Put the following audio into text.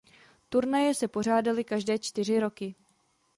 Turnaje se pořádaly každé čtyři roky.